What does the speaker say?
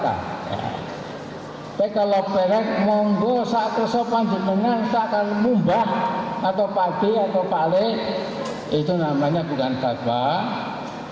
tapi kalau belek monggo saat kesopan dikenal tak akan mumbah atau pade atau palik itu namanya bukan fadbah